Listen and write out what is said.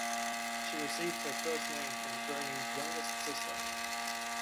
She received her first name from Groening's youngest sister.